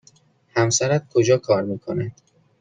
همسرت کجا کار می کند؟